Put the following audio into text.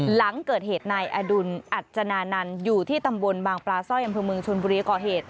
หลังเกิดเหตุนายอดุลอัจจนานันต์อยู่ที่ตำบลบางปลาสร้อยอำเภอเมืองชนบุรีก่อเหตุ